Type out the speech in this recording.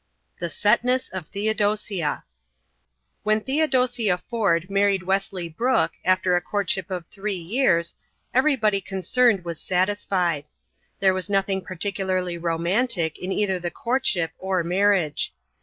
The Setness of Theodosia When Theodosia Ford married Wesley Brooke after a courtship of three years, everybody concerned was satisfied. There was nothing particularly romantic in either the courtship or marriage.